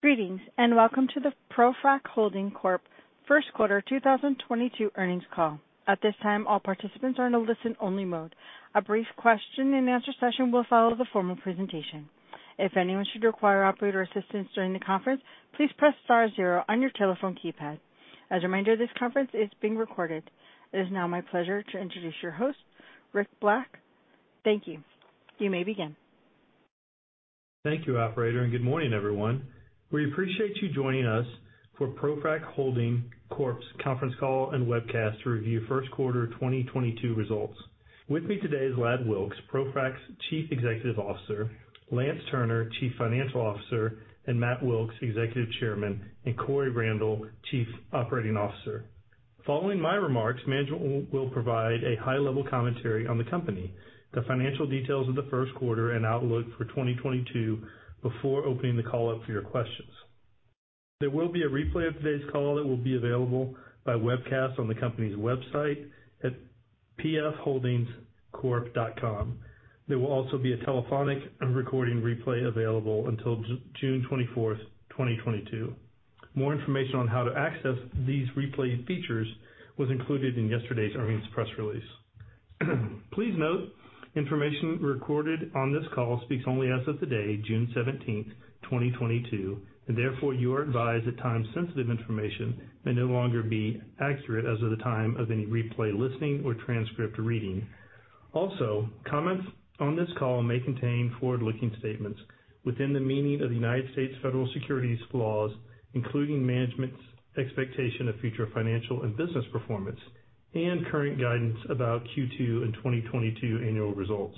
Greetings, and welcome to the ProFrac Holding Corp First Quarter 2022 Earnings Call. At this time, all participants are in a listen-only mode. A brief question-and-answer session will follow the formal presentation. If anyone should require operator assistance during the conference, please press star zero on your telephone keypad. As a reminder, this conference is being recorded. It is now my pleasure to introduce your host, Rick Black. Thank you. You may begin. Thank you, operator, and good morning, everyone. We appreciate you joining us for ProFrac Holding Corp's Conference Call and Webcast to review first quarter 2022 results. With me today is Ladd Wilks, ProFrac's Chief Executive Officer, Lance Turner, Chief Financial Officer, and Matt Wilks, Executive Chairman, and Coy Randle, Chief Operating Officer. Following my remarks, management will provide a high-level commentary on the company, the financial details of the first quarter and outlook for 2022 before opening the call up for your questions. There will be a replay of today's call that will be available by webcast on the company's website at pfholdingscorp.com. There will also be a telephonic and recording replay available until June 24th, 2022. More information on how to access these replay features was included in yesterday's earnings press release. Please note, information recorded on this call speaks only as of the day, June 17th, 2022. Therefore, you are advised that time-sensitive information may no longer be accurate as of the time of any replay listening or transcript reading. Also, comments on this call may contain forward-looking statements within the meaning of the United States federal securities laws, including management's expectation of future financial and business performance and current guidance about Q2 and 2022 annual results.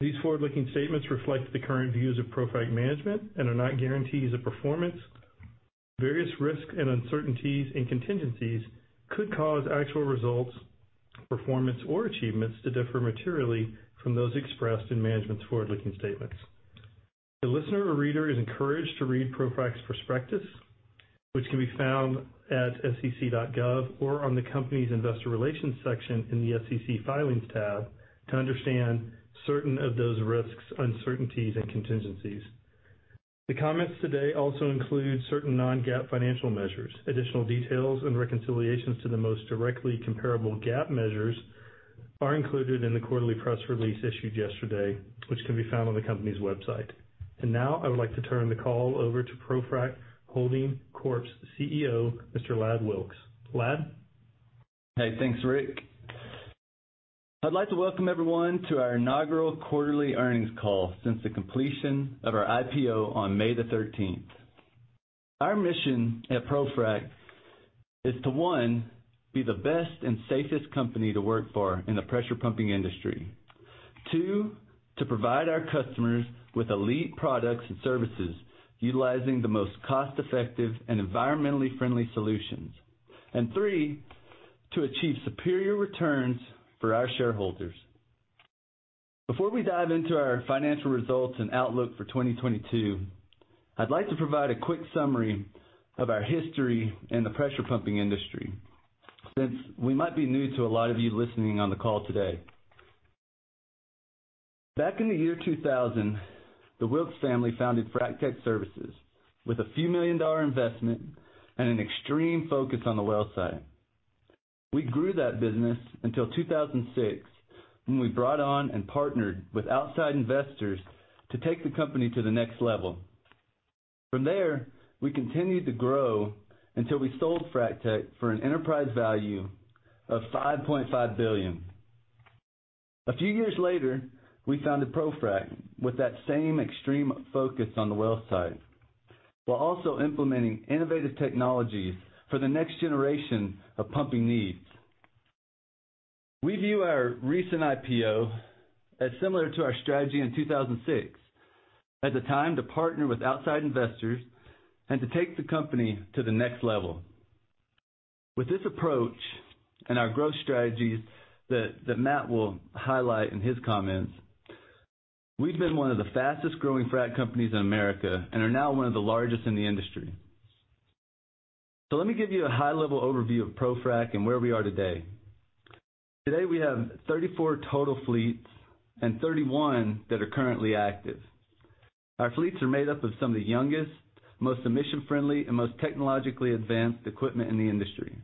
These forward-looking statements reflect the current views of ProFrac management and are not guarantees of performance. Various risks and uncertainties and contingencies could cause actual results, performance or achievements to differ materially from those expressed in management's forward-looking statements. The listener or reader is encouraged to read ProFrac's prospectus, which can be found at SEC.gov or on the company's investor relations section in the SEC Filings tab to understand certain of those risks, uncertainties and contingencies. The comments today also include certain non-GAAP financial measures. Additional details and reconciliations to the most directly comparable GAAP measures are included in the quarterly press release issued yesterday, which can be found on the company's website. Now, I would like to turn the call over to ProFrac Holding Corp's CEO, Mr. Ladd Wilks. Ladd? Hey, thanks, Rick. I'd like to welcome everyone to our inaugural quarterly earnings call since the completion of our IPO on May 13th. Our mission at ProFrac is to, one, be the best and safest company to work for in the pressure pumping industry. Two, to provide our customers with elite products and services utilizing the most cost-effective and environmentally friendly solutions. And three, to achieve superior returns for our shareholders. Before we dive into our financial results and outlook for 2022, I'd like to provide a quick summary of our history in the pressure pumping industry since we might be new to a lot of you listening on the call today. Back in the year 2000, the Wilks family founded Frac Tech Services with a few million-dollar investment and an extreme focus on the well site. We grew that business until 2006, when we brought on and partnered with outside investors to take the company to the next level. From there, we continued to grow until we sold FracTech for an enterprise value of $5.5 billion. A few years later, we founded ProFrac with that same extreme focus on the well site, while also implementing innovative technologies for the next generation of pumping needs. We view our recent IPO as similar to our strategy in 2006, as the time to partner with outside investors and to take the company to the next level. With this approach and our growth strategies that Matt will highlight in his comments, we've been one of the fastest growing frac companies in America and are now one of the largest in the industry. Let me give you a high-level overview of ProFrac and where we are today. Today, we have 34 total fleets and 31 that are currently active. Our fleets are made up of some of the youngest, most emission-friendly and most technologically advanced equipment in the industry.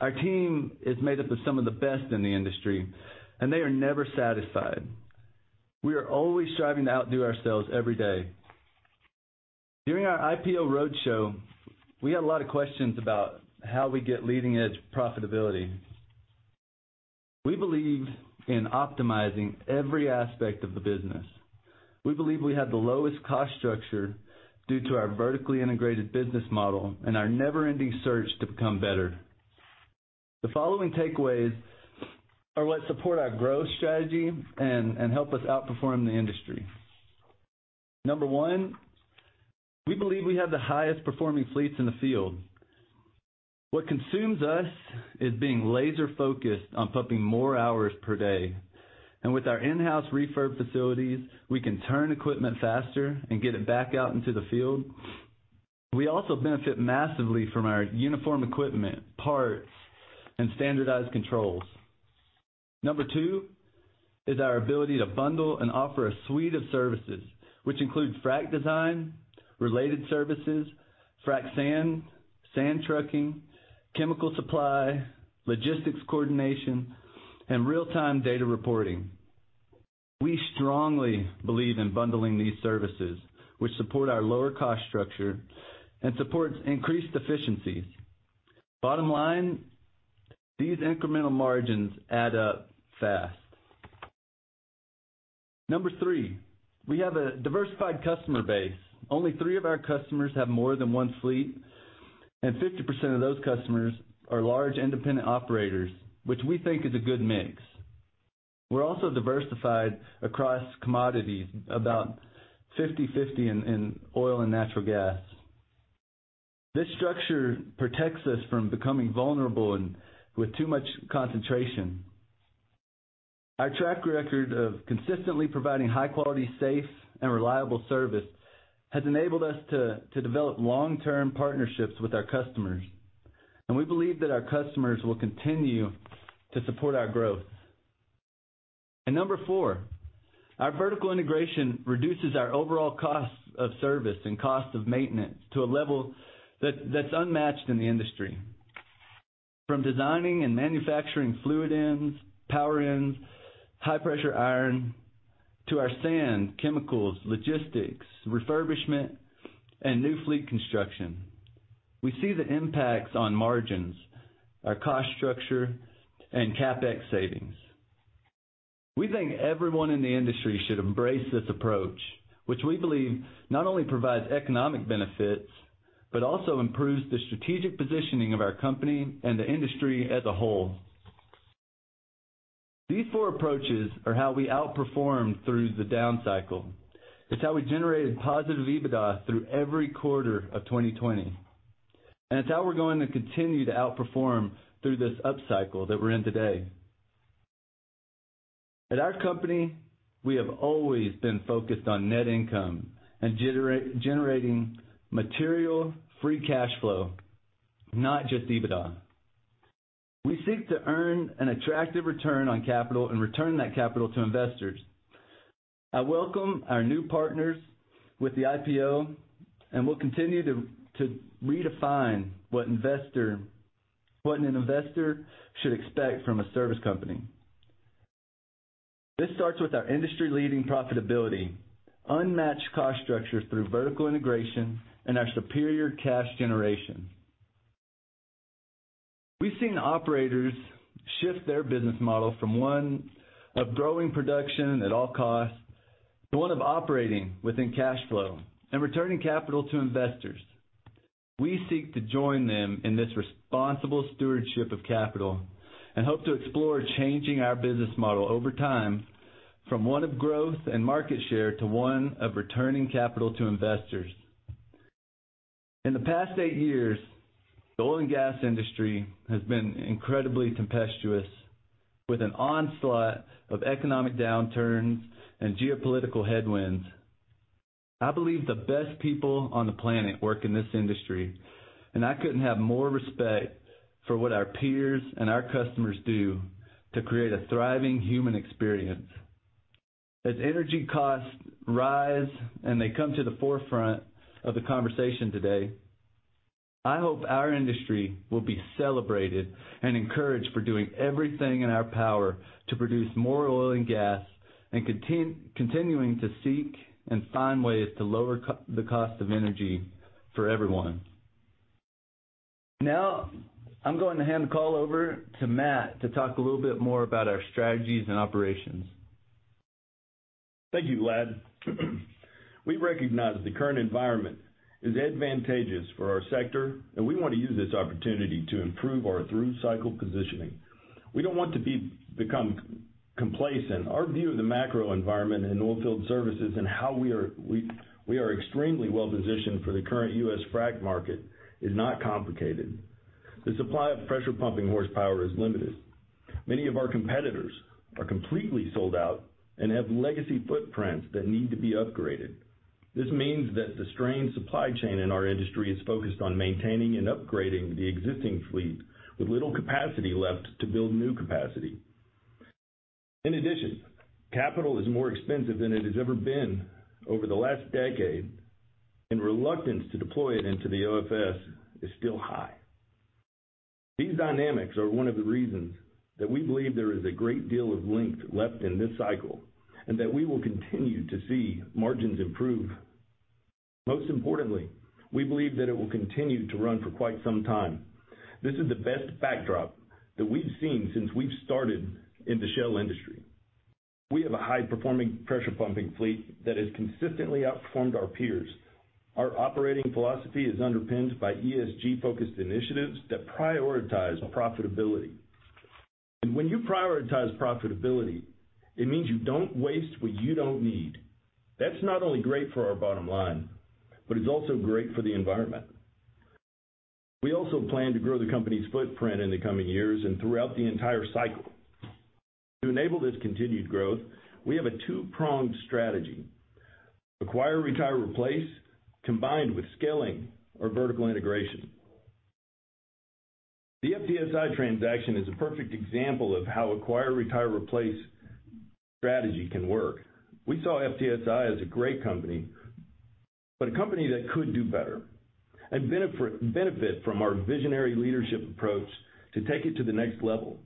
Our team is made up of some of the best in the industry, and they are never satisfied. We are always striving to outdo ourselves every day. During our IPO roadshow, we had a lot of questions about how we get leading-edge profitability. We believe in optimizing every aspect of the business. We believe we have the lowest cost structure due to our vertically integrated business model and our never-ending search to become better. The following takeaways are what support our growth strategy and help us outperform the industry. Number one, we believe we have the highest performing fleets in the field. What consumes us is being laser-focused on pumping more hours per day. With our in-house refurb facilities, we can turn equipment faster and get it back out into the field. We also benefit massively from our uniform equipment, parts, and standardized controls. Number two is our ability to bundle and offer a suite of services, which include frac design, related services, frac sand trucking, chemical supply, logistics coordination, and real-time data reporting. We strongly believe in bundling these services, which support our lower cost structure and supports increased efficiencies. Bottom line, these incremental margins add up fast. Number three, we have a diversified customer base. Only three of our customers have more than one fleet, and 50% of those customers are large independent operators, which we think is a good mix. We're also diversified across commodities, about 50/50 in oil and natural gas. This structure protects us from becoming vulnerable and with too much concentration. Our track record of consistently providing high quality, safe and reliable service has enabled us to develop long-term partnerships with our customers. We believe that our customers will continue to support our growth. Number four, our vertical integration reduces our overall cost of service and cost of maintenance to a level that's unmatched in the industry. From designing and manufacturing fluid ends, power ends, high pressure iron to our sand, chemicals, logistics, refurbishment, and new fleet construction. We see the impacts on margins, our cost structure and CapEx savings. We think everyone in the industry should embrace this approach, which we believe not only provides economic benefits, but also improves the strategic positioning of our company and the industry as a whole. These four approaches are how we outperformed through the downcycle. It's how we generated positive EBITDA through every quarter of 2020. It's how we're going to continue to outperform through this upcycle that we're in today. At our company, we have always been focused on net income and generating material free cash flow, not just EBITDA. We seek to earn an attractive return on capital and return that capital to investors. I welcome our new partners with the IPO, and we'll continue to redefine what an investor should expect from a service company. This starts with our industry-leading profitability, unmatched cost structures through vertical integration, and our superior cash generation. We've seen operators shift their business model from one of growing production at all costs to one of operating within cash flow and returning capital to investors. We seek to join them in this responsible stewardship of capital and hope to explore changing our business model over time from one of growth and market share to one of returning capital to investors. In the past eight years, the oil and gas industry has been incredibly tempestuous, with an onslaught of economic downturns and geopolitical headwinds. I believe the best people on the planet work in this industry, and I couldn't have more respect for what our peers and our customers do to create a thriving human experience. As energy costs rise and they come to the forefront of the conversation today, I hope our industry will be celebrated and encouraged for doing everything in our power to produce more oil and gas and continuing to seek and find ways to lower the cost of energy for everyone. Now, I'm going to hand the call over to Matt to talk a little bit more about our strategies and operations. Thank you, Ladd. We recognize the current environment is advantageous for our sector, and we wanna use this opportunity to improve our through-cycle positioning. We don't want to become complacent. Our view of the macro environment in oil field services and how we are extremely well-positioned for the current U.S. frac market is not complicated. The supply of pressure pumping horsepower is limited. Many of our competitors are completely sold out and have legacy footprints that need to be upgraded. This means that the strained supply chain in our industry is focused on maintaining and upgrading the existing fleet with little capacity left to build new capacity. In addition, capital is more expensive than it has ever been over the last decade, and reluctance to deploy it into the OFS is still high. These dynamics are one of the reasons that we believe there is a great deal of length left in this cycle and that we will continue to see margins improve. Most importantly, we believe that it will continue to run for quite some time. This is the best backdrop that we've seen since we've started in the shale industry. We have a high performing pressure pumping fleet that has consistently outperformed our peers. Our operating philosophy is underpinned by ESG-focused initiatives that prioritize profitability. When you prioritize profitability, it means you don't waste what you don't need. That's not only great for our bottom line, but it's also great for the environment. We also plan to grow the company's footprint in the coming years and throughout the entire cycle. To enable this continued growth, we have a two-pronged strategy, Acquire, Retire, Replace, combined with scaling our vertical integration. The FTSI transaction is a perfect example of how Acquire, Retire, Replace strategy can work. We saw FTSI as a great company, but a company that could do better and benefit from our visionary leadership approach to take it to the next level.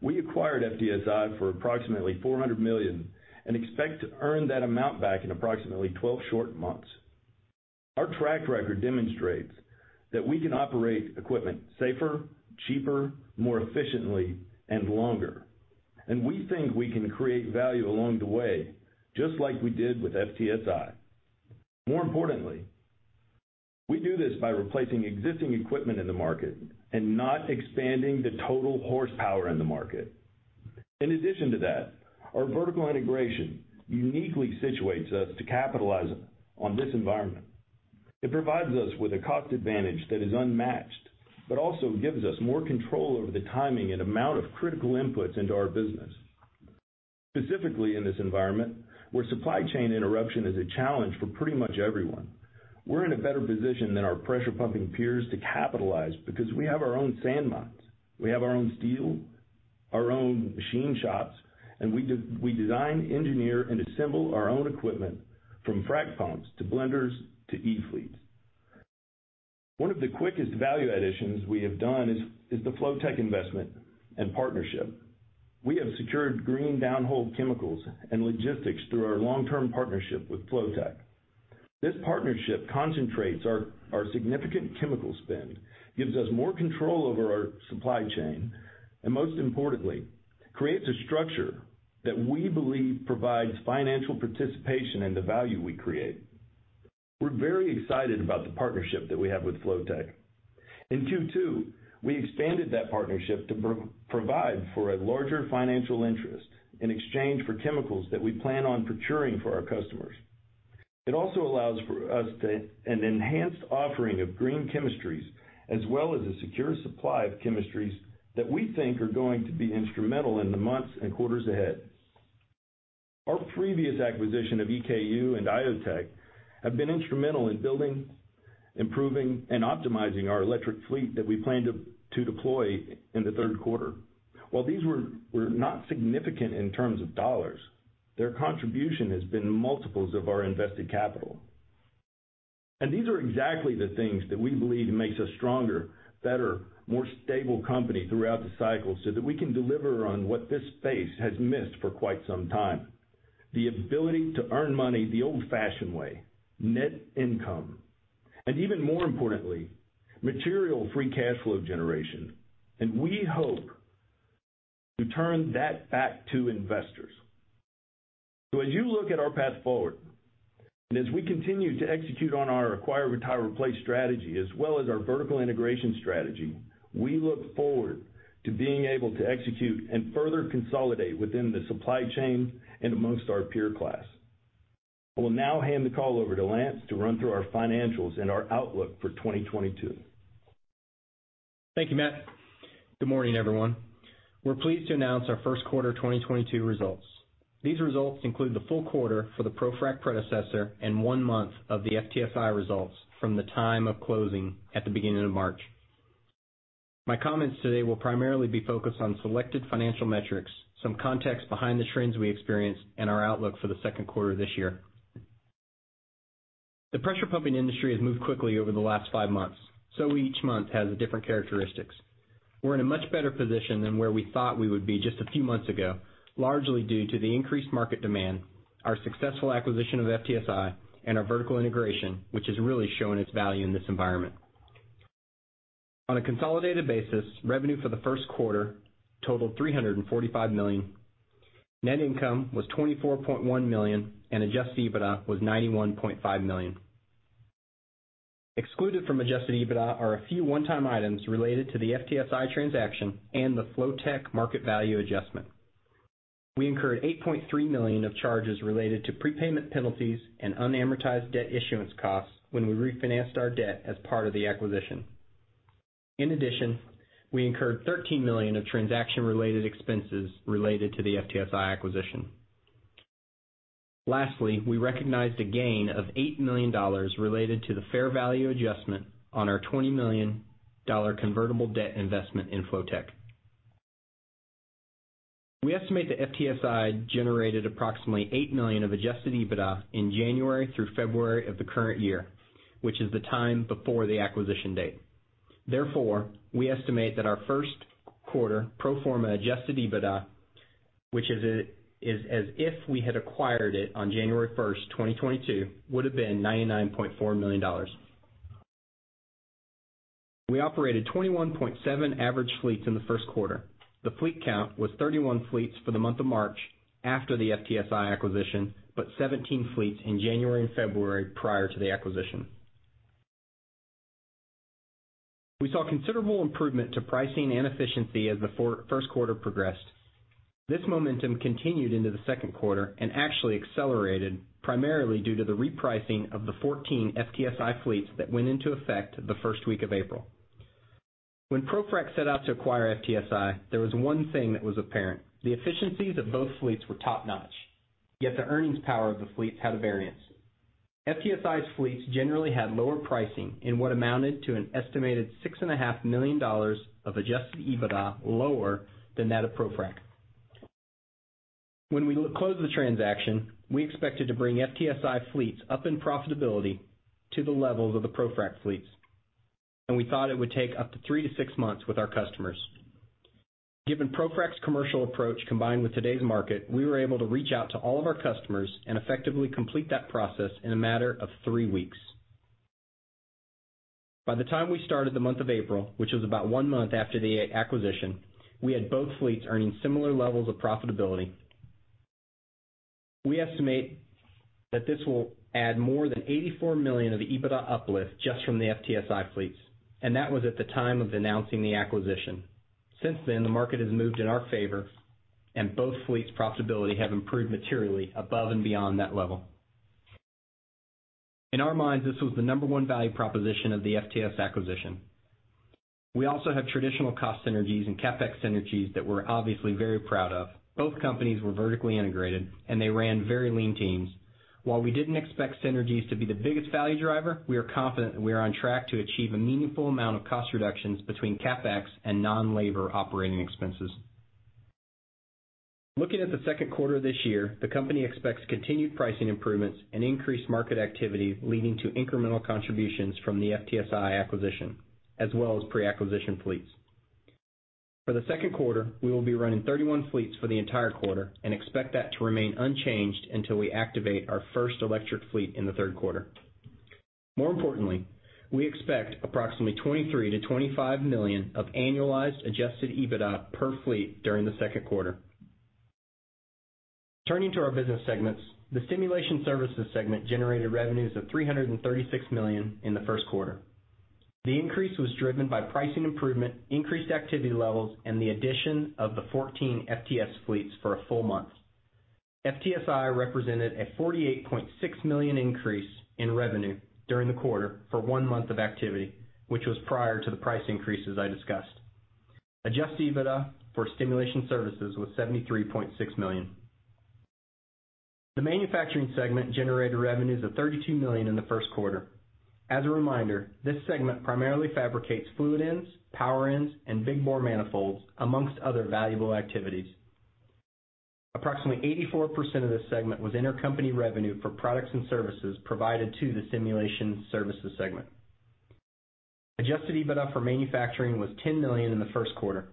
We acquired FTSI for approximately $400 million and expect to earn that amount back in approximately 12 short months. Our track record demonstrates that we can operate equipment safer, cheaper, more efficiently, and longer. We think we can create value along the way, just like we did with FTSI. More importantly, we do this by replacing existing equipment in the market and not expanding the total horsepower in the market. In addition to that, our vertical integration uniquely situates us to capitalize on this environment. It provides us with a cost advantage that is unmatched, but also gives us more control over the timing and amount of critical inputs into our business. Specifically in this environment, where supply chain interruption is a challenge for pretty much everyone, we're in a better position than our pressure pumping peers to capitalize because we have our own sand mines, we have our own steel, our own machine shops, and we design, engineer, and assemble our own equipment from frac pumps to blenders to e-fleets. One of the quickest value additions we have done is the Flotek investment and partnership. We have sec ured green downhole chemicals and logistics through our long-term partnership with Flotek. This partnership concentrates our significant chemical spend, gives us more control over our supply chain, and most importantly, creates a structure that we believe provides financial participation in the value we create. We're very excited about the partnership that we have with Flotek. In Q2, we expanded that partnership to provide for a larger financial interest in exchange for chemicals that we plan on procuring for our customers. It also allows for us to an enhanced offering of green chemistries as well as a secure supply of chemistries that we think are going to be instrumental in the months and quarters ahead. Our previous acquisition of EKU and iO-TEQ have been instrumental in building, improving, and optimizing our electric fleet that we plan to deploy in the third quarter. While these were not significant in terms of dollars, their contribution has been multiples of our invested capital. These are exactly the things that we believe makes us stronger, better, more stable company throughout the cycle, so that we can deliver on what this space has missed for quite some time. The ability to earn money the old-fashioned way, net income, and even more importantly, material free cash flow generation. We hope to turn that back to investors. As you look at our path forward, and as we continue to execute on our Acquire, Retire, Replace strategy, as well as our vertical integration strategy, we look forward to being able to execute and further consolidate within the supply chain and amongst our peer class. I will now hand the call over to Lance to run through our financials and our outlook for 2022. Thank you, Matt. Good morning, everyone. We're pleased to announce our first quarter 2022 results. These results include the full quarter for the ProFrac predecessor and one month of the FTSI results from the time of closing at the beginning of March. My comments today will primarily be focused on selected financial metrics, some context behind the trends we experienced, and our outlook for the second quarter this year. The pressure pumping industry has moved quickly over the last five months, so each month has different characteristics. We're in a much better position than where we thought we would be just a few months ago, largely due to the increased market demand, our successful acquisition of FTSI, and our vertical integration, which has really shown its value in this environment. On a consolidated basis, revenue for the first quarter totaled $345 million. Net income was $24.1 million, and adjusted EBITDA was $91.5 million. Excluded from adjusted EBITDA are a few one-time items related to the FTSI transaction and the Flotek market value adjustment. We incurred $8.3 million of charges related to prepayment penalties and unamortized debt issuance costs when we refinanced our debt as part of the acquisition. In addition, we incurred $13 million of transaction-related expenses related to the FTSI acquisition. Lastly, we recognized a gain of $8 million related to the fair value adjustment on our $20 million convertible debt investment in Flotek. We estimate that FTSI generated approximately $8 million of adjusted EBITDA in January through February of the current year, which is the time before the acquisition date. Therefore, we estimate that our first quarter pro forma adjusted EBITDA, which is as if we had acquired it on January 1st, 2022, would have been $99.4 million. We operated 21.7 average fleets in the first quarter. The fleet count was 31 fleets for the month of March after the FTSI acquisition, but 17 fleets in January and February prior to the acquisition. We saw considerable improvement to pricing and efficiency as the first quarter progressed. This momentum continued into the second quarter and actually accelerated primarily due to the repricing of the 14 FTSI fleets that went into effect the first week of April. When ProFrac set out to acquire FTSI, there was one thing that was apparent: the efficiencies of both fleets were top-notch, yet the earnings power of the fleets had a variance. FTSI's fleets generally had lower pricing in what amounted to an estimated $6.5 million of adjusted EBITDA lower than that of ProFrac. When we closed the transaction, we expected to bring FTSI fleets up in profitability to the levels of the ProFrac fleets, and we thought it would take up to three to six months with our customers. Given ProFrac's commercial approach, combined with today's market, we were able to reach out to all of our customers and effectively complete that process in a matter of three weeks. By the time we started the month of April, which was about one month after the acquisition, we had both fleets earning similar levels of profitability. We estimate that this will add more than $84 million of EBITDA uplift just from the FTSI fleets, and that was at the time of announcing the acquisition. Since then, the market has moved in our favor, and both fleets' profitability have improved materially above and beyond that level. In our minds, this was the number one value proposition of the FTS acquisition. We also have traditional cost synergies and CapEx synergies that we're obviously very proud of. Both companies were vertically integrated, and they ran very lean teams. While we didn't expect synergies to be the biggest value driver, we are confident that we are on track to achieve a meaningful amount of cost reductions between CapEx and non-labor operating expenses. Looking at the second quarter of this year, the company expects continued pricing improvements and increased market activity, leading to incremental contributions from the FTSI acquisition, as well as pre-acquisition fleets. For the second quarter, we will be running 31 fleets for the entire quarter and expect that to remain unchanged until we activate our first electric fleet in the third quarter. More importantly, we expect approximately $23 million-$25 million of annualized adjusted EBITDA per fleet during the second quarter. Turning to our business segments. The Stimulation Services segment generated revenues of $336 million in the first quarter. The increase was driven by pricing improvement, increased activity levels, and the addition of the 14 FTS fleets for a full month. FTSI represented a $48.6 million increase in revenue during the quarter for one month of activity, which was prior to the price increases I discussed. Adjusted EBITDA for Stimulation Services was $73.6 million. The Manufacturing segment generated revenues of $32 million in the first quarter. As a reminder, this segment primarily fabricates fluid ends, power ends, and big bore manifolds among other valuable activities. Approximately 84% of this segment was intercompany revenue for products and services provided to the Stimulation Services segment. Adjusted EBITDA for Manufacturing was $10 million in the first quarter.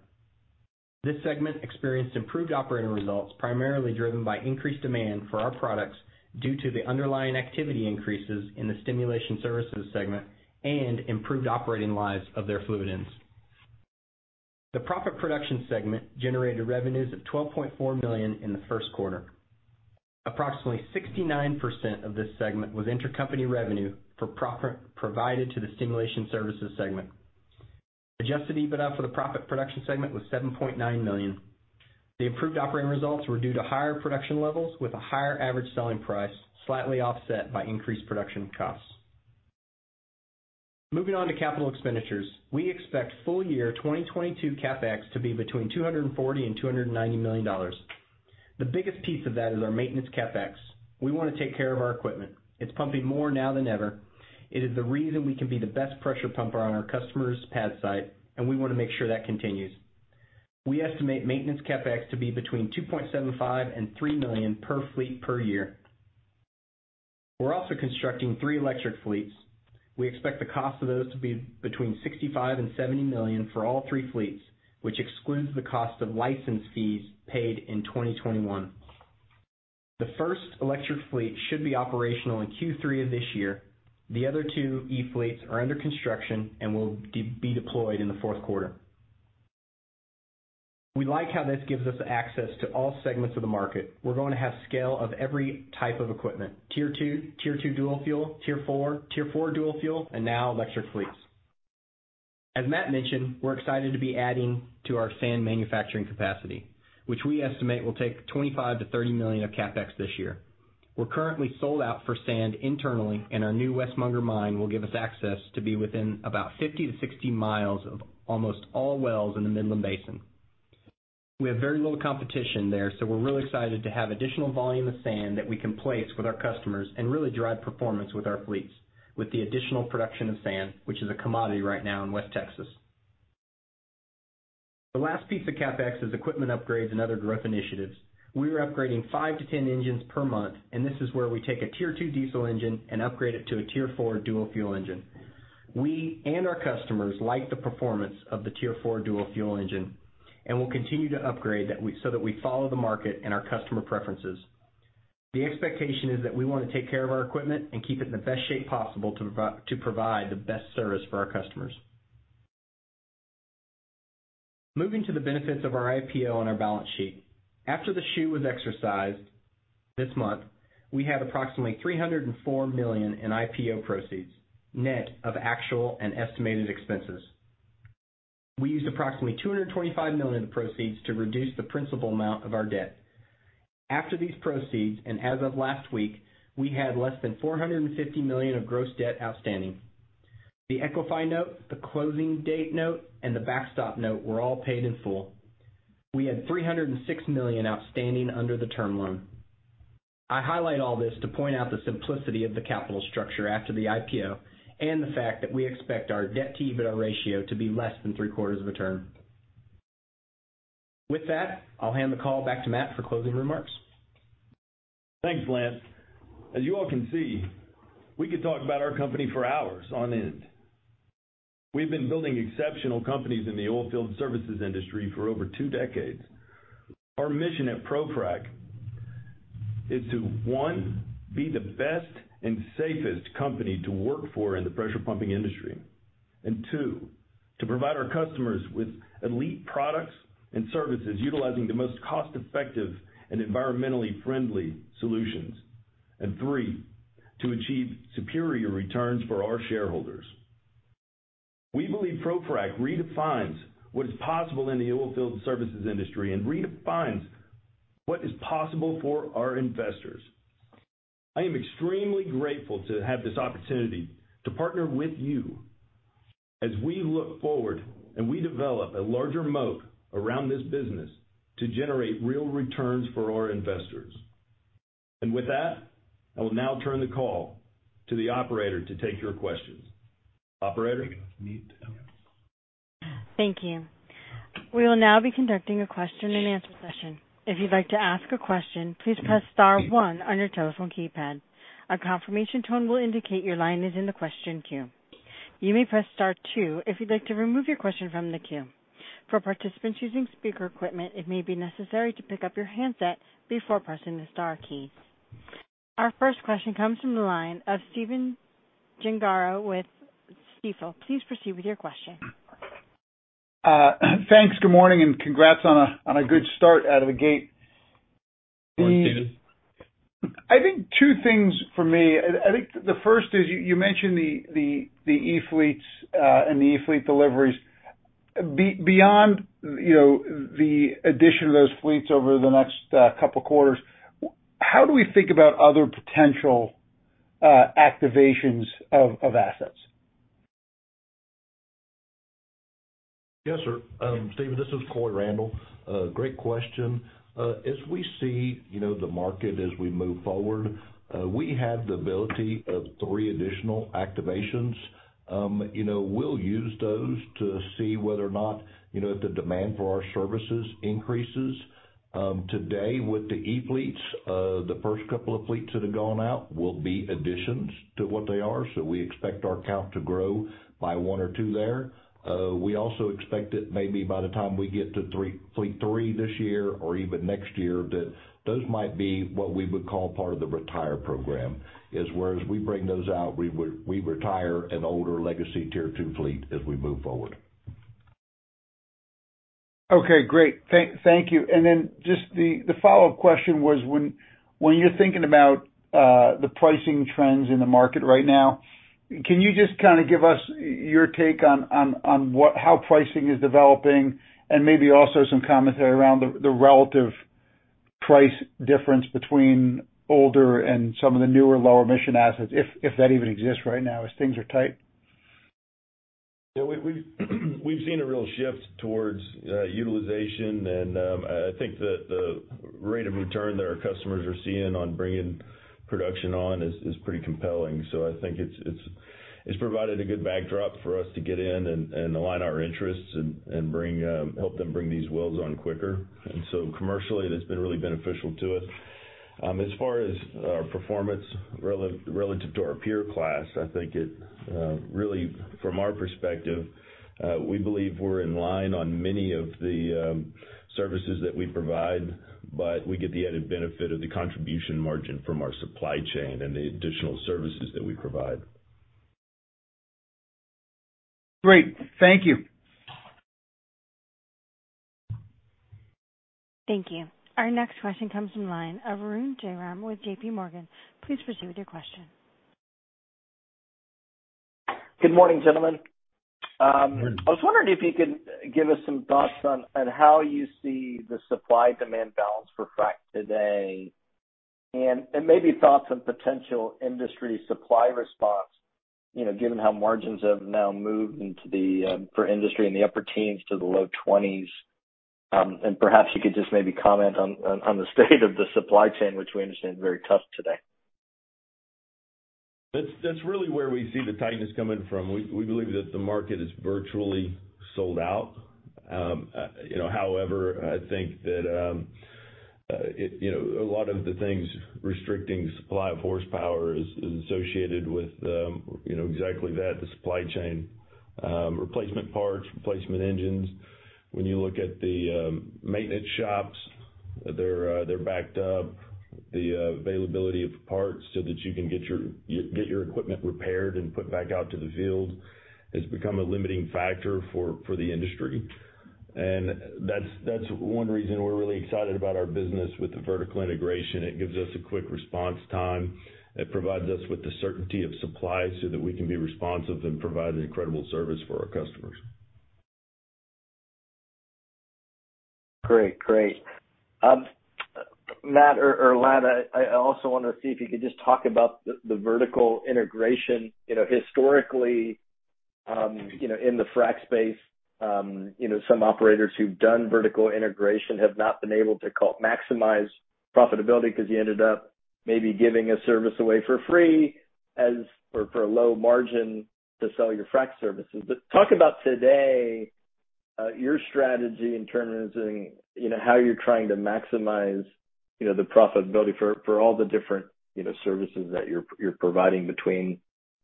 This segment experienced improved operating results, primarily driven by increased demand for our products due to the underlying activity increases in the Stimulation Services segment and improved operating lives of their fluid ends. The Proppant Production segment generated revenues of $12.4 million in the first quarter. Approximately 69% of this segment was intercompany revenue for proppant provided to the Stimulation Services segment. Adjusted EBITDA for the Proppant Production segment was $7.9 million. The improved operating results were due to higher production levels with a higher average selling price, slightly offset by increased production costs. Moving on to capital expenditures. We expect full year 2022 CapEx to be between $240 million and $290 million. The biggest piece of that is our maintenance CapEx. We wanna take care of our equipment. It's pumping more now than ever. It is the reason we can be the best pressure pumper on our customer's pad site, and we wanna make sure that continues. We estimate maintenance CapEx to be between $2.75 million and $3 million per fleet per year. We're also constructing three electric fleets. We expect the cost of those to be between $65 million and $70 million for all three fleets, which excludes the cost of license fees paid in 2021. The first electric fleet should be operational in Q3 of this year. The other two e-fleets are under construction and will be deployed in the fourth quarter. We like how this gives us access to all segments of the market. We're going to have scale of every type of equipment: Tier 2, Tier 2 dual fuel, Tier 4, Tier 4 dual fuel, and now electric fleets. As Matt mentioned, we're excited to be adding to our sand manufacturing capacity, which we estimate will take $25 million-$30 million of CapEx this year. We're currently sold out for sand internally, and our new West Munger mine will give us access to be within about 50 mi-60 mi of almost all wells in the Midland Basin. We have very little competition there, so we're really excited to have additional volume of sand that we can place with our customers and really drive performance with our fleets with the additional production of sand, which is a commodity right now in West Texas. The last piece of CapEx is equipment upgrades and other growth initiatives. We are upgrading five to10 engines per month, and this is where we take a Tier 2 diesel engine and upgrade it to a Tier 4 dual fuel engine. We and our customers like the performance of the Tier 4 dual fuel engine, and we'll continue to upgrade that so that we follow the market and our customer preferences. The expectation is that we wanna take care of our equipment and keep it in the best shape possible to provide the best service for our customers. Moving to the benefits of our IPO on our balance sheet. After the greenshoe was exercised this month, we had approximately $304 million in IPO proceeds, net of actual and estimated expenses. We used approximately $225 million of the proceeds to reduce the principal amount of our debt. After these proceeds, and as of last week, we had less than $450 million of gross debt outstanding. The Equiniti note, the closing date note, and the backstop note were all paid in full. We had $306 million outstanding under the term loan. I highlight all this to point out the simplicity of the capital structure after the IPO and the fact that we expect our debt-to-EBITDA ratio to be less than 3/4 of a turn. With that, I'll hand the call back to Matt for closing remarks. Thanks, Lance. As you all can see, we could talk about our company for hours on end. We've been building exceptional companies in the oilfield services industry for over two decades. Our mission at ProFrac is to, one, be the best and safest company to work for in the pressure pumping industry, and two, to provide our customers with elite products and services utilizing the most cost-effective and environmentally friendly solutions, and three, to achieve superior returns for our shareholders. We believe ProFrac redefines what is possible in the oilfield services industry and redefines what is possible for our investors. I am extremely grateful to have this opportunity to partner with you as we look forward and we develop a larger moat around this business to generate real returns for our investors. With that, I will now turn the call to the operator to take your questions. Operator? Thank you. We will now be conducting a question-and-answer session. If you'd like to ask a question, please press star one on your telephone keypad. A confirmation tone will indicate your line is in the question queue. You may press star two if you'd like to remove your question from the queue. For participants using speaker equipment, it may be necessary to pick up your handset before pressing the star key. Our first question comes from the line of Stephen Gengaro with Stifel. Please proceed with your question. Thanks. Good morning, and congrats on a good start out of the gate. Thanks, Stephen. I think two things for me. I think the first is you mentioned the e-fleets and the e-fleet deliveries. Beyond, you know, the addition of those fleets over the next couple quarters, how do we think about other potential activations of assets? Yes, sir. Stephen, this is Coy Randle. Great question. As we see, you know, the market as we move forward, we have the ability of three additional activations. You know, we'll use those to see whether or not, you know, if the demand for our services increases. Today with the e-fleets, the first couple of fleets that have gone out will be additions to what they are, so we expect our count to grow by one or two there. We also expect that maybe by the time we get to three, fleet three this year or even next year, that those might be what we would call part of the retire program. As well as we bring those out, we retire an older legacy Tier 2 fleet as we move forward. Okay, great. Thank you. Just the follow-up question was: when you're thinking about the pricing trends in the market right now, can you just kinda give us your take on how pricing is developing and maybe also some commentary around the relative price difference between older and some of the newer lower emission assets, if that even exists right now as things are tight? We've seen a real shift towards utilization. I think that the rate of return that our customers are seeing on bringing production on is pretty compelling. I think it's provided a good backdrop for us to get in and align our interests and bring help them bring these wells on quicker. Commercially, it's been really beneficial to us. As far as our performance relative to our peer class, I think it really from our perspective, we believe we're in line on many of the services that we provide, but we get the added benefit of the contribution margin from our supply chain and the additional services that we provide. Great. Thank you. Thank you. Our next question comes from the line of Arun Jayaram with JPMorgan. Please proceed with your question. Good morning, gentlemen. Good morning. I was wondering if you could give us some thoughts on how you see the supply-demand balance for frac today, and maybe thoughts on potential industry supply response, you know, given how margins have now moved into the upper teens to the low 20%s for the industry. Perhaps you could just maybe comment on the state of the supply chain, which we understand is very tough today. That's really where we see the tightness coming from. We believe that the market is virtually sold out. You know, however, I think that it you know, a lot of the things restricting supply of horsepower is associated with you know, exactly that, the supply chain, replacement parts, replacement engines. When you look at the maintenance shops, they're backed up. The availability of parts so that you can get your equipment repaired and put back out to the field has become a limiting factor for the industry. That's one reason we're really excited about our business with the vertical integration. It gives us a quick response time. It provides us with the certainty of supply so that we can be responsive and provide an incredible service for our customers. Great, great. Matt or Ladd, I also wanna see if you could just talk about the vertical integration. You know, historically, you know, in the frac space, you know, some operators who've done vertical integration have not been able to maximize profitability because you ended up maybe giving a service away for free or for a low margin to sell your frac services. Talk about today, your strategy in terms of, you know, how you're trying to maximize, you know, the profitability for all the different, you know, services that you're providing between,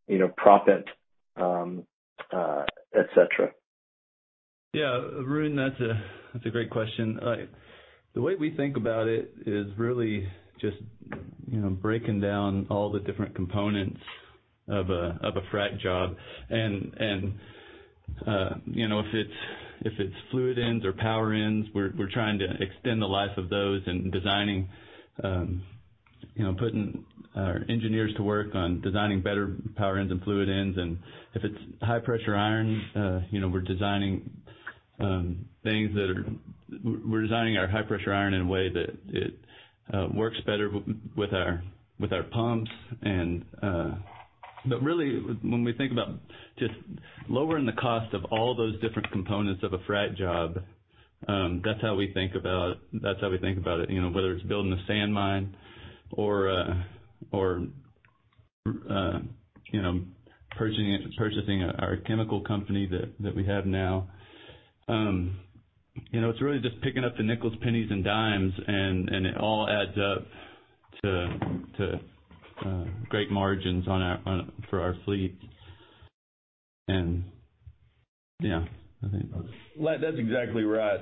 you know, profit, etc. Yeah. Arun, that's a great question. The way we think about it is really just, you know, breaking down all the different components of a frac job. If it's fluid ends or power ends, we're trying to extend the life of those and designing, you know, putting our engineers to work on designing better power ends and fluid ends. If it's high-pressure iron, you know, we're designing things. We're designing our high-pressure iron in a way that it works better with our pumps and. But really when we think about just lowering the cost of all those different components of a frac job, that's how we think about it. You know, whether it's building a sand mine or purchasing our chemical company that we have now. You know, it's really just picking up the nickels, pennies, and dimes, and it all adds up to great margins for our fleet. Yeah. I think. Ladd, that's exactly right.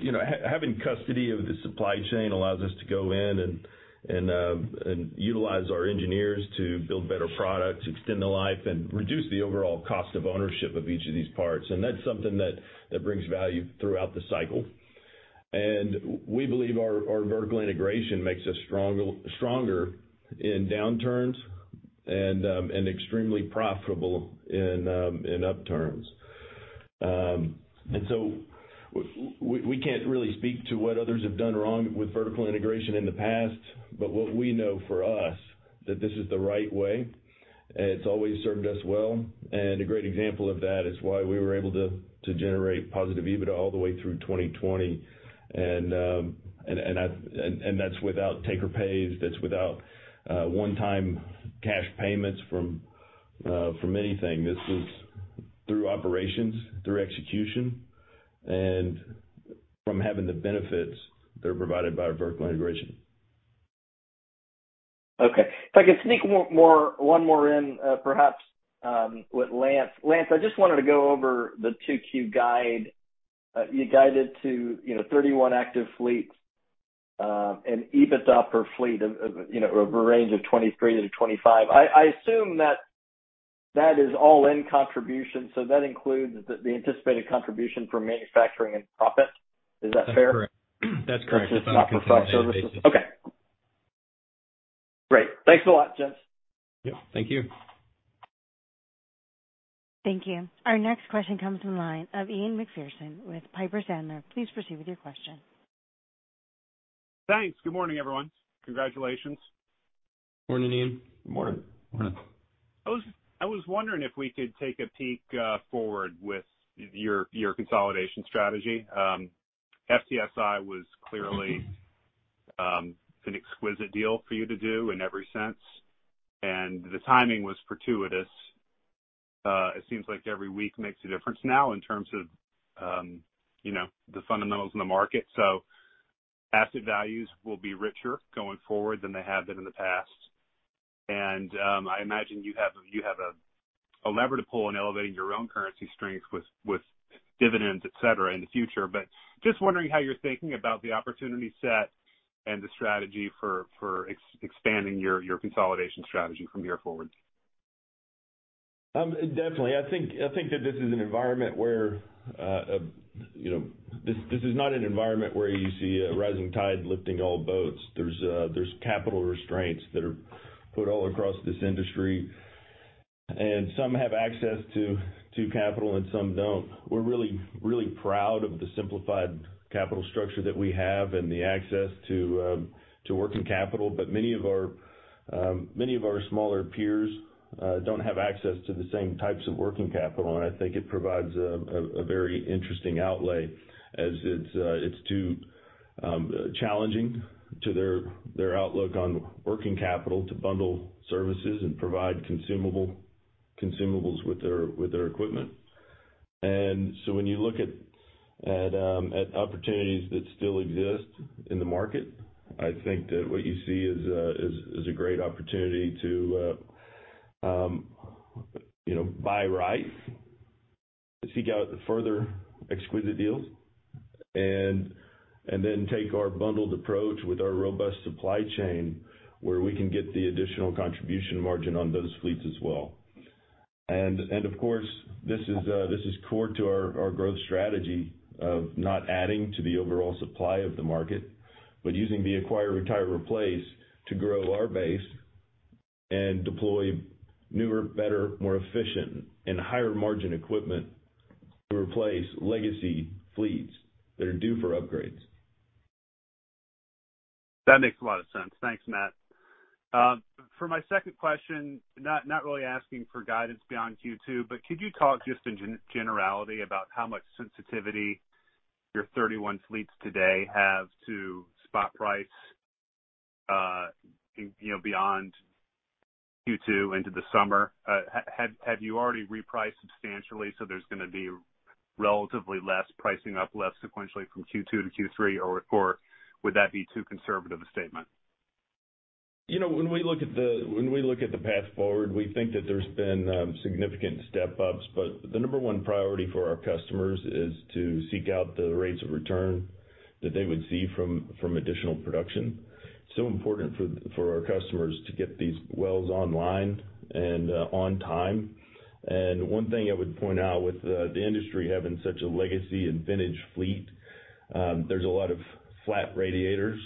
You know, having custody of the supply chain allows us to go in and utilize our engineers to build better products, extend the life, and reduce the overall cost of ownership of each of these parts. That's something that brings value throughout the cycle. We believe our vertical integration makes us stronger in downturns and extremely profitable in upturns. We can't really speak to what others have done wrong with vertical integration in the past, but what we know for us that this is the right way, and it's always served us well. A great example of that is why we were able to generate positive EBITDA all the way through 2020. That's without take or pays, that's without one-time cash payments from anything. This is through operations, through execution, and from having the benefits that are provided by vertical integration. Okay. If I could sneak one more in, perhaps, with Lance. Lance, I just wanted to go over the 2Q guide. You guided to, you know, 31 active fleets, and EBITDA per fleet of a range of 23-25. I assume that is all-in contributions, so that includes the anticipated contribution for manufacturing and proppant. Is that fair? That's correct. That's not for Frac services. Okay, great. Thanks a lot, gents. Yep, thank you. Thank you. Our next question comes from the line of Ian Macpherson with Piper Sandler. Please proceed with your question. Thanks. Good morning, everyone. Congratulations. Morning, Ian. Good morning. Morning. I was wondering if we could take a peek forward with your consolidation strategy. FTSI was clearly an exquisite deal for you to do in every sense, and the timing was fortuitous. It seems like every week makes a difference now in terms of you know the fundamentals in the market. So asset values will be richer going forward than they have been in the past. I imagine you have a lever to pull in elevating your own currency strength with dividends, et cetera, in the future. Just wondering how you're thinking about the opportunity set and the strategy for expanding your consolidation strategy from here forward. Definitely. I think that this is an environment where, you know, this is not an environment where you see a rising tide lifting all boats. There's capital constraints that are put all across this industry, and some have access to capital and some don't. We're really proud of the simplified capital structure that we have and the access to working capital. But many of our smaller peers don't have access to the same types of working capital, and I think it provides a very interesting outlay as it's too challenging to their outlook on working capital to bundle services and provide consumables with their equipment. When you look at opportunities that still exist in the market, I think that what you see is a great opportunity to, you know, buy right to seek out further exquisite deals. Then take our bundled approach with our robust supply chain where we can get the additional contribution margin on those fleets as well. Of course, this is core to our growth strategy of not adding to the overall supply of the market, but using the Acquire, Retire, Replace to grow our base and deploy newer, better, more efficient and higher margin equipment to replace legacy fleets that are due for upgrades. That makes a lot of sense. Thanks, Matt. For my second question, not really asking for guidance beyond Q2, but could you talk just in generality about how much sensitivity your 31 fleets today have to spot price, you know, beyond Q2 into the summer? Have you already repriced substantially so there's gonna be relatively less pricing up, less sequentially from Q2 to Q3 or Q4, or would that be too conservative a statement? You know, when we look at the path forward, we think that there's been significant step-ups, but the number one priority for our customers is to seek out the rates of return that they would see from additional production. It's so important for our customers to get these wells online and on time. One thing I would point out, with the industry having such a legacy and vintage fleet, there's a lot of flat radiators.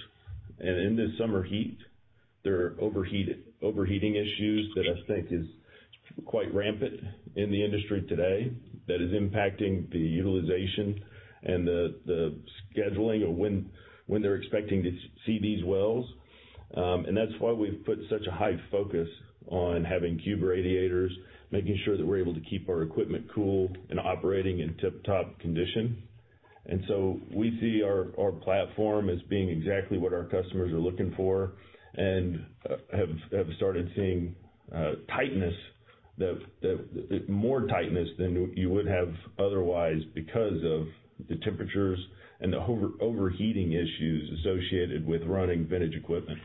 In the summer heat, there are overheating issues that I think is quite rampant in the industry today that is impacting the utilization and the scheduling of when they're expecting to see these wells. That's why we've put such a high focus on having cube radiators, making sure that we're able to keep our equipment cool and operating in tip-top condition. We see our platform as being exactly what our customers are looking for and have started seeing tightness, that more tightness than you would have otherwise because of the temperatures and the overheating issues associated with running vintage equipment.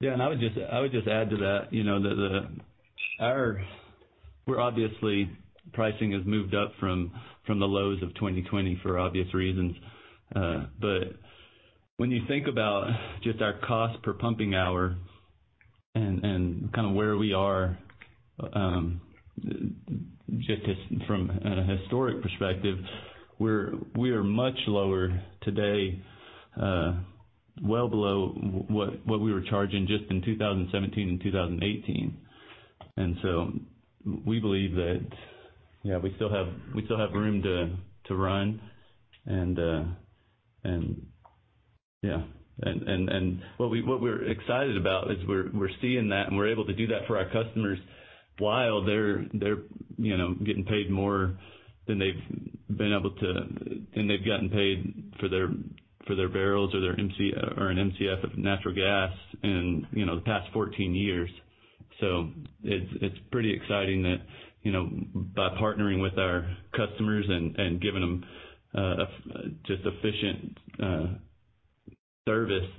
Yeah, I would just add to that, you know, our pricing has moved up from the lows of 2020 for obvious reasons. But when you think about just our cost per pumping hour and kind of where we are, just from a historic perspective, we are much lower today, well below what we were charging just in 2017 and 2018. We believe that, yeah, we still have room to run. What we're excited about is we're seeing that, and we're able to do that for our customers while they're, you know, getting paid more than they've gotten paid for their barrels or an MCF of natural gas in, you know, the past 14 years. It's pretty exciting that, you know, by partnering with our customers and giving them just efficient service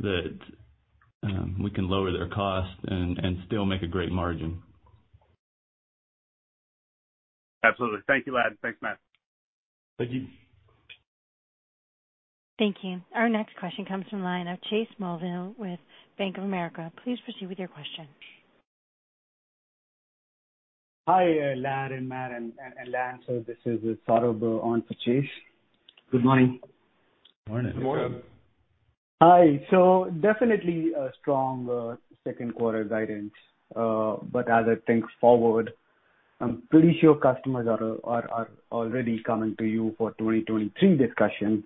that we can lower their costs and still make a great margin. Absolutely. Thank you, Ladd. Thanks, Matt. Thank you. Thank you. Our next question comes from line of Chase Mulvehill with Bank of America. Please proceed with your question. Hi, Ladd and Matt and Lance. This is Saurabh on for Chase. Good morning. Morning. Good morning. Hi. Definitely a strong second quarter guidance. But as I think forward, I'm pretty sure customers are already coming to you for 2023 discussions,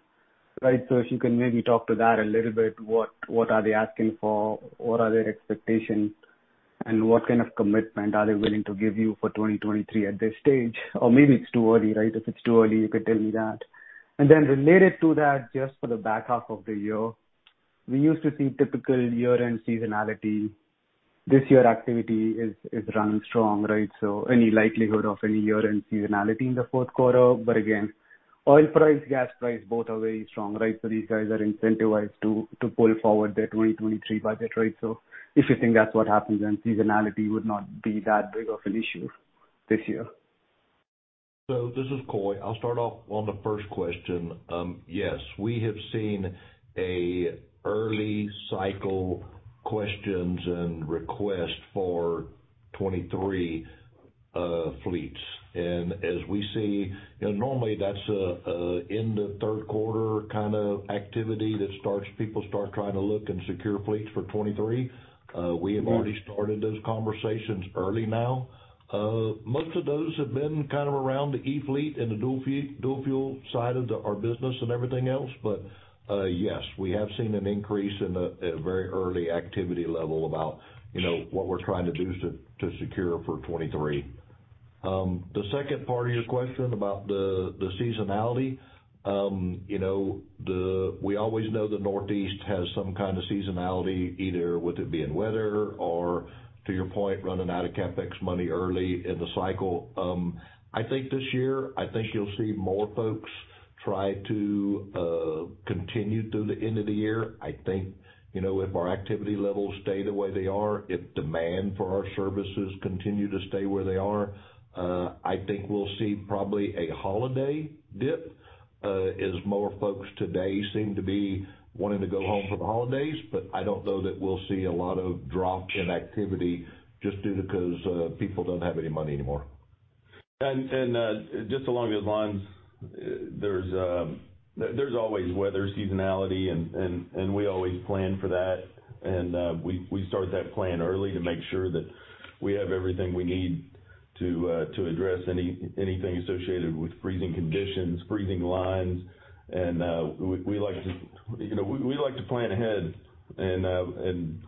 right? If you can maybe talk to that a little bit, what are they asking for? What are their expectations? What kind of commitment are they willing to give you for 2023 at this stage? Maybe it's too early, right? If it's too early, you can tell me that. Then related to that, just for the back half of the year, we used to see typical year-end seasonality. This year activity is running strong, right? Any likelihood of any year-end seasonality in the fourth quarter. Again, oil price, gas price, both are very strong, right? These guys are incentivized to pull forward their 2023 budget, right? If you think that's what happens, then seasonality would not be that big of an issue this year. This is Coy. I'll start off on the first question. Yes, we have seen an early cycle questions and requests for 2023 fleets. As we see, you know, normally that's a end of third quarter kind of activity that starts people start trying to look and secure fleets for 2023. We have already started those conversations early now. Most of those have been kind of around the e-fleet and the dual fuel side of our business and everything else. Yes, we have seen an increase in a very early activity level about, you know, what we're trying to do to secure for 2023. The second part of your question about the seasonality, you know, we always know the Northeast has some kind of seasonality, either with it being weather or, to your point, running out of CapEx money early in the cycle. I think this year, I think you'll see more folks try to continue through the end of the year. I think, you know, if our activity levels stay the way they are, if demand for our services continue to stay where they are, I think we'll see probably a holiday dip, as more folks today seem to be wanting to go home for the holidays. I don't know that we'll see a lot of drop in activity just due because people don't have any money anymore. Just along those lines, there's always weather seasonality and we always plan for that. We start that plan early to make sure that we have everything we need to address anything associated with freezing conditions, freezing lines. We like to, you know, plan ahead. You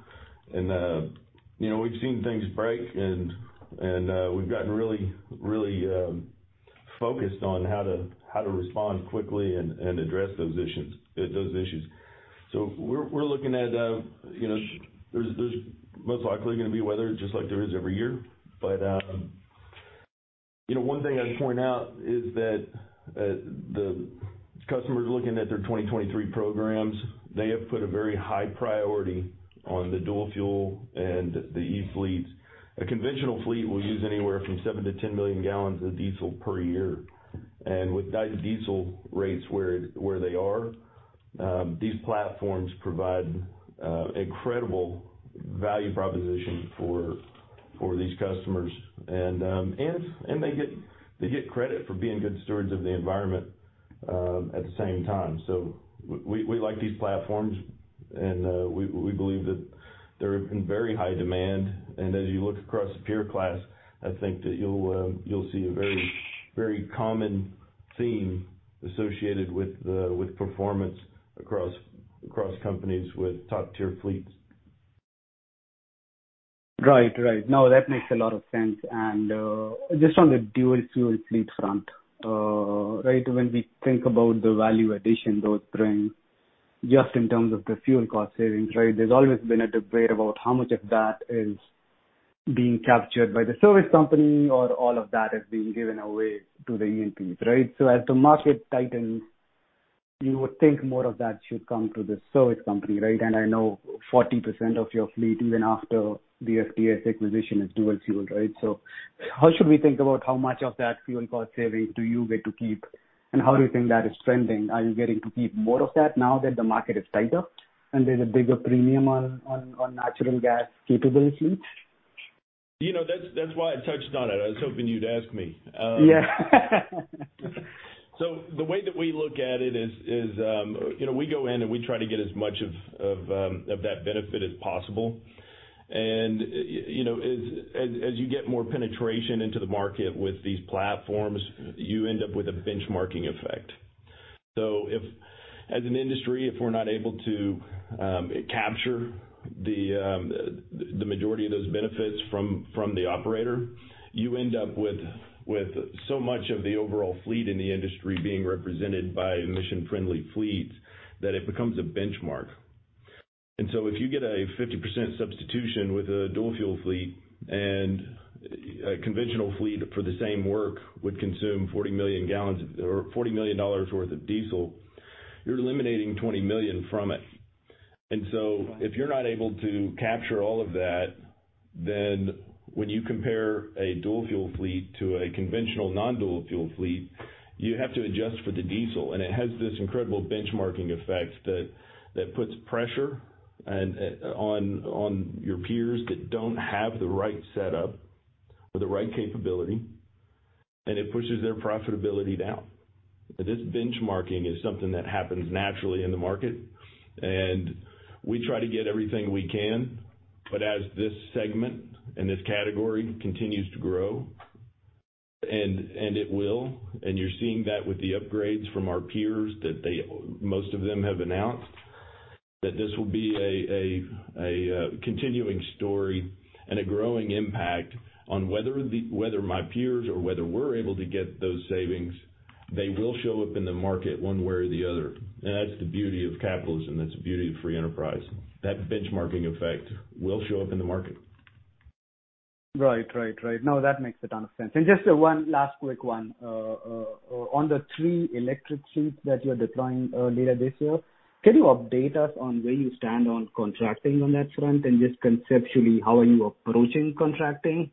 know, we've seen things break and we've gotten really focused on how to respond quickly and address those issues. We're looking at, you know, there's most likely gonna be weather just like there is every year. You know, one thing I'd point out is that the customers looking at their 2023 programs, they have put a very high priority on the dual fuel and the electric fleet. A conventional fleet will use anywhere from 7-10 million gallons of diesel per year. With diesel rates where they are, these platforms provide incredible value proposition for these customers. They get credit for being good stewards of the environment at the same time. We like these platforms and we believe that they're in very high demand. As you look across the peer class, I think that you'll see a very common theme associated with performance across companies with top-tier fleets. Right. Right. No, that makes a lot of sense. Just on the dual fuel fleet front, right, when we think about the value addition those bring, just in terms of the fuel cost savings, right, there's always been a debate about how much of that is being captured by the service company or all of that is being given away to the end user, right? As the market tightens, you would think more of that should come to the service company, right? I know 40% of your fleet, even after the FTSI acquisition, is dual fueled, right? How should we think about how much of that fuel cost savings do you get to keep, and how do you think that is trending? Are you getting to keep more of that now that the market is tighter and there's a bigger premium on natural gas capable fleets? You know, that's why I touched on it. I was hoping you'd ask me. Yeah. The way that we look at it is, you know, we go in and we try to get as much of that benefit as possible. You know, as you get more penetration into the market with these platforms, you end up with a benchmarking effect. If as an industry, if we're not able to capture the majority of those benefits from the operator, you end up with so much of the overall fleet in the industry being represented by emission-friendly fleets, that it becomes a benchmark. If you get a 50% substitution with a dual fuel fleet and a conventional fleet for the same work would consume 40 million gallons or $40 million worth of diesel, you're eliminating $20 million from it. If you're not able to capture all of that, then when you compare a dual fuel fleet to a conventional non-dual fuel fleet, you have to adjust for the diesel. It has this incredible benchmarking effect that puts pressure on your peers that don't have the right setup or the right capability, and it pushes their profitability down. This benchmarking is something that happens naturally in the market, and we try to get everything we can. As this segment and this category continues to grow, and it will, and you're seeing that with the upgrades from our peers that they most of them have announced, that this will be a continuing story and a growing impact on whether my peers or whether we're able to get those savings, they will show up in the market one way or the other. That's the beauty of capitalism, that's the beauty of free enterprise. That benchmarking effect will show up in the market. Right. No, that makes a ton of sense. Just one last quick one. On the three electric fleets that you're deploying later this year, can you update us on where you stand on contracting on that front? Just conceptually, how are you approaching contracting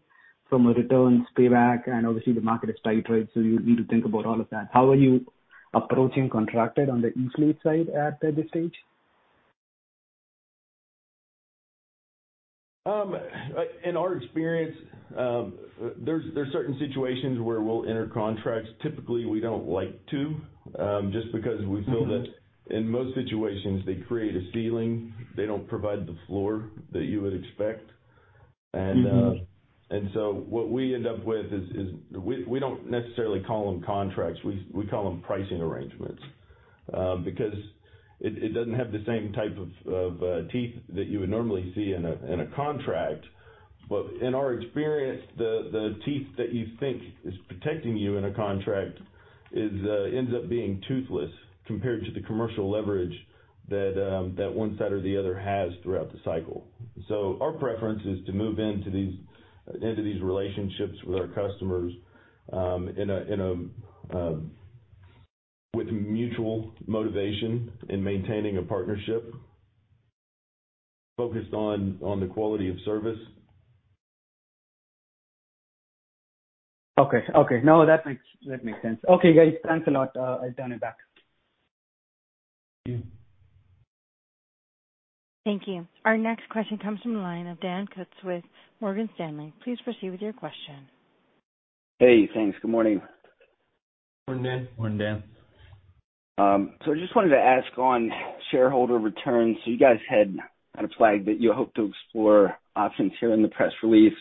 from a returns payback? Obviously, the market is tight, right? So you need to think about all of that. How are you approaching contracting on the electric fleet side at this stage? In our experience, there's certain situations where we'll enter contracts. Typically, we don't like to just because we feel that in most situations they create a ceiling. They don't provide the floor that you would expect. What we end up with is we don't necessarily call them contracts, we call them pricing arrangements. Because it doesn't have the same type of teeth that you would normally see in a contract. In our experience, the teeth that you think is protecting you in a contract is ends up being toothless compared to the commercial leverage that one side or the other has throughout the cycle. Our preference is to move into these relationships with our customers in a with mutual motivation in maintaining a partnership focused on the quality of service. Okay. No, that makes sense. Okay, guys. Thanks a lot. I'll turn it back. Thank you. Our next question comes from the line of Dan Kutz with Morgan Stanley. Please proceed with your question. Hey, thanks. Good morning. Morning, Dan. Morning, Dan. I just wanted to ask on shareholder returns. You guys had kind of flagged that you hope to explore options here in the press release.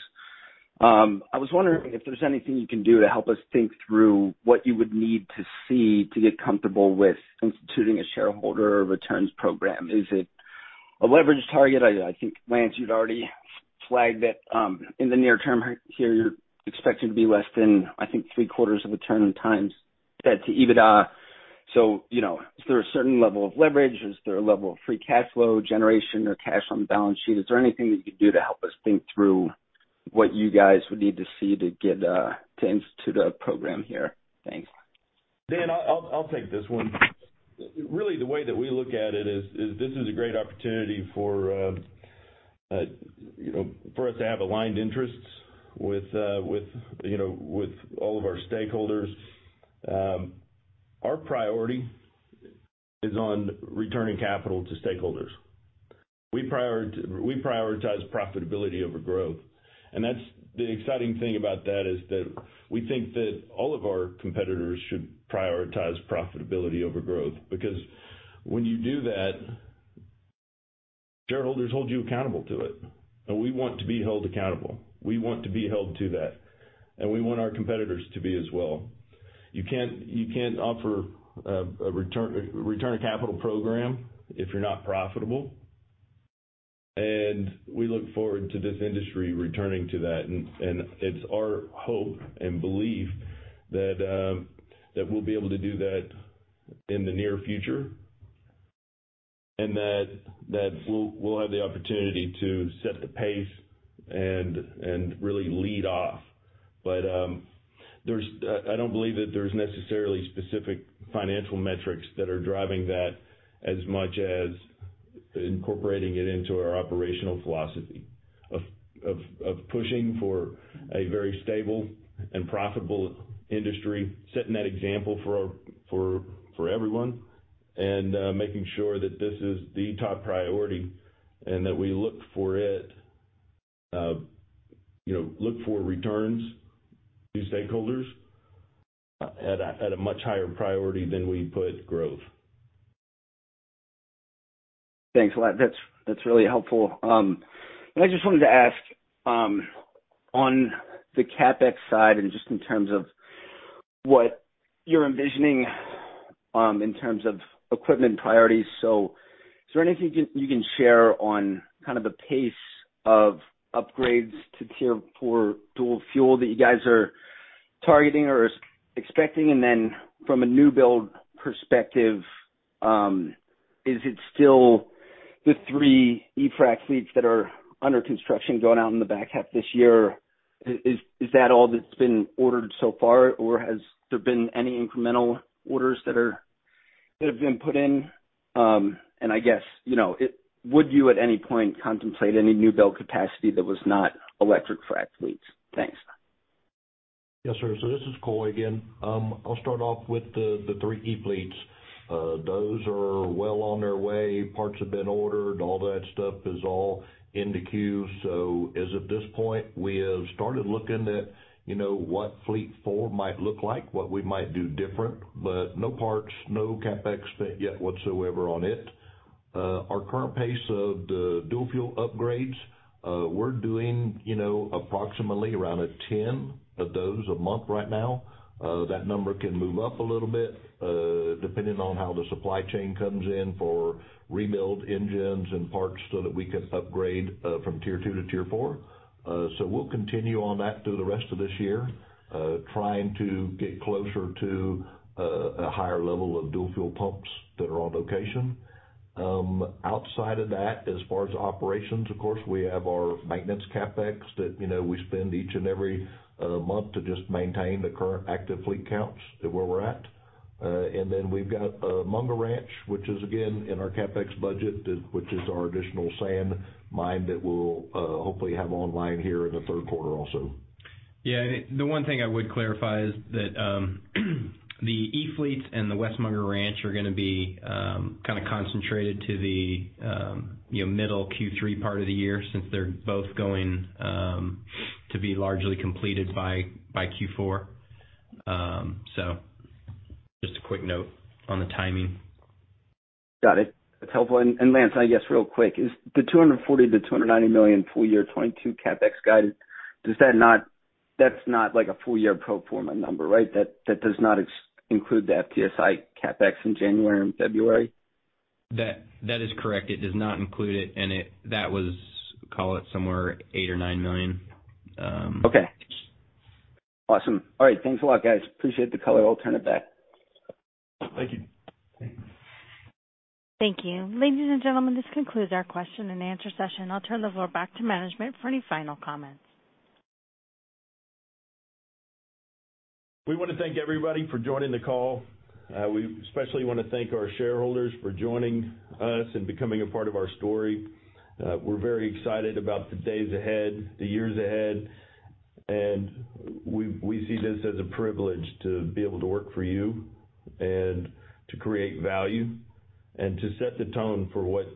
I was wondering if there's anything you can do to help us think through what you would need to see to get comfortable with instituting a shareholder returns program. Is it a leverage target? I think, Lance, you'd already flagged that, in the near term here, you're expected to be less than, I think 3/4 of a turn times debt to EBITDA. You know, is there a certain level of leverage? Is there a level of free cash flow generation or cash on the balance sheet? Is there anything that you could do to help us think through what you guys would need to see to get to institute a program here? Thanks. Dan, I'll take this one. Really, the way that we look at it is this is a great opportunity for you know for us to have aligned interests with you know with all of our stakeholders. Our priority is on returning capital to stakeholders. We prioritize profitability over growth. That's the exciting thing about that is that we think that all of our competitors should prioritize profitability over growth, because when you do that, shareholders hold you accountable to it. We want to be held accountable. We want to be held to that, and we want our competitors to be as well. You can't offer a return on capital program if you're not profitable. We look forward to this industry returning to that. It's our hope and belief that we'll be able to do that in the near future, and that we'll have the opportunity to set the pace and really lead off. There's I don't believe that there's necessarily specific financial metrics that are driving that as much as incorporating it into our operational philosophy of pushing for a very stable and profitable industry, setting that example for everyone, and making sure that this is the top priority and that we look for it, you know, look for returns to stakeholders at a much higher priority than we put growth. Thanks a lot. That's really helpful. I just wanted to ask, on the CapEx side and just in terms of what you're envisioning, in terms of equipment priorities. Is there anything you can share on kind of the pace of upgrades to Tier 4 dual fuel that you guys are targeting or expecting? Then from a new build perspective, is it still the three e-frac fleets that are under construction going out in the back half this year? Is that all that's been ordered so far, or has there been any incremental orders that have been put in? I guess, you know, would you at any point contemplate any new build capacity that was not electric frac fleets? Thanks. Yes, sir. This is Coy again. I'll start off with the three e-fleets. Those are well on their way. Parts have been ordered. All that stuff is all in the queue. As of this point, we have started looking at, you know, what fleet four might look like, what we might do different, but no parts, no CapEx spent yet whatsoever on it. Our current pace of the dual fuel upgrades, we're doing, you know, approximately around 10 of those a month right now. That number can move up a little bit, depending on how the supply chain comes in for rebuild engines and parts so that we can upgrade from Tier 2 to Tier 4. We'll continue on that through the rest of this year, trying to get closer to a higher level of dual fuel pumps that are on location. Outside of that, as far as operations, of course, we have our maintenance CapEx that, you know, we spend each and every month to just maintain the current active fleet counts to where we're at. We've got Munger Ranch, which is again in our CapEx budget, which is our additional sand mine that we'll hopefully have online here in the third quarter also. The one thing I would clarify is that the e-fleets and the West Munger Ranch are gonna be kind of concentrated to the you know middle Q3 part of the year since they're both going to be largely completed by Q4. So just a quick note on the timing. Got it. That's helpful. Lance, I guess, real quick, is the $240 million-$290 million full-year 2022 CapEx guidance, does that not? That's not like a full-year pro forma number, right? That does not include the FTSI CapEx in January and February. That is correct. It does not include it. That was, call it somewhere $8 million or $9 million. Okay. Awesome. All right. Thanks a lot, guys. Appreciate the color. I'll turn it back. Thank you. Thank you. Ladies and gentlemen, this concludes our question-and-answer session. I'll turn the floor back to management for any final comments. We wanna thank everybody for joining the call. We especially wanna thank our shareholders for joining us and becoming a part of our story. We're very excited about the days ahead, the years ahead. We see this as a privilege to be able to work for you and to create value and to set the tone for what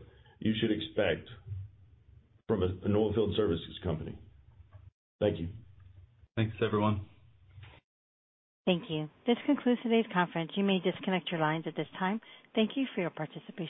you should expect from an oilfield services company. Thank you. Thanks, everyone. Thank you. This concludes today's conference. You may disconnect your lines at this time. Thank you for your participation.